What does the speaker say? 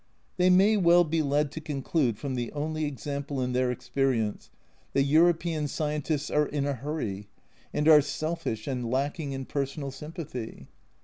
They may well be led to conclude from the only example in their experience that European scientists are in a hurry, and are selfish and lacking in personal A Journal from Japan xiii sympathy.